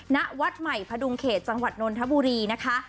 ณวัดใหม่พดุงเขตจังหวัดนนทบุรีนะคะ